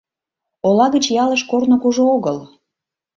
Ола гыч ялыш корно кужу огыл.